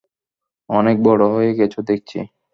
অনেক বড় হয়ে গেছো দেখছি।